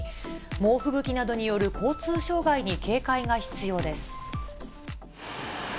猛吹雪などによる交通障害に警戒が必要です。